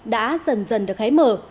đã dần dần được hái mở